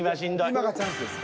今がチャンスです